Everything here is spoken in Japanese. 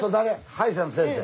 歯医者の先生。